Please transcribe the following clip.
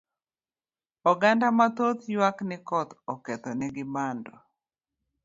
Oganda ma thoth ywak ni koth oketho ne gi bando